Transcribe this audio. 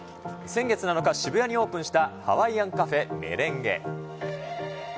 先月７日、渋谷にオープンしたハワイアンカフェ、メレンゲ。